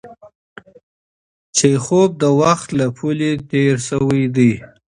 چیخوف د وخت له پولې تېر شوی دی.